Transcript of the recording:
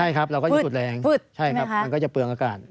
ใช่ครับเราก็จะสูดแรงมันก็จะเปลืองอากาศ